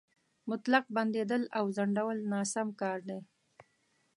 مطلق بندېدل او ځنډول ناسم کار دی.